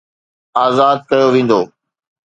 آزاد ڪيو ويندو